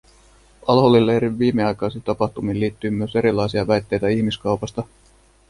Al-Holin leirin viimeaikaisiin tapahtumiin liittyy myös erilaisia väitteitä ihmiskaupasta.